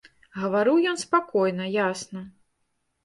Гаварыў ён спакойна, ясна.